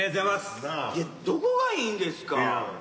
いやどこがいいんですか？